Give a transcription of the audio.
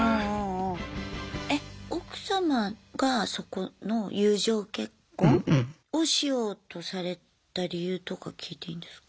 え奥様がそこの友情結婚をしようとされた理由とか聞いていいんですか？